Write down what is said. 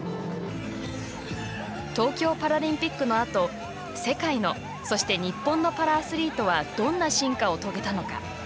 東京パラリンピックのあと世界のそして、日本のパラアスリートはどんな進化を遂げたのか。